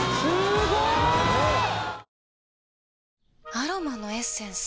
アロマのエッセンス？